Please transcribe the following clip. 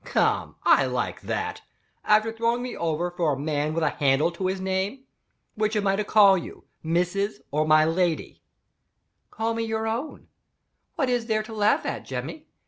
"Come! I like that after throwing me over for a man with a handle to his name. Which am I to call you: 'Mrs?' or 'My Lady'?" "Call me your own. What is there to laugh at, Jemmy?